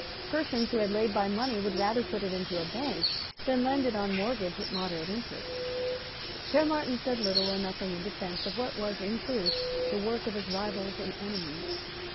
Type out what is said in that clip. Persons who had laid by money would rather put it into the Bank than lend it on mortgage at moderate interest. Caermarthen said little or nothing in defence of what was, in truth, the work of his rivals and enemies.